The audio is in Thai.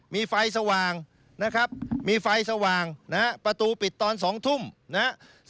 มีไฟสว่างนะครับมีไฟสว่างนะฮะประตูปิดตอน๒ทุ่มนะครับ